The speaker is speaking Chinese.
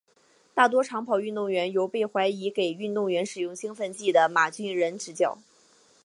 大多长跑运动员由被怀疑给运动员使用兴奋剂的马俊仁执教。